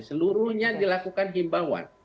seluruhnya dilakukan himbauan